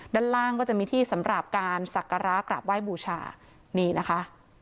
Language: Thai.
ด้านล่างก็จะมีที่สำหรับการสักการะกราบไหว้บูชานี่นะคะ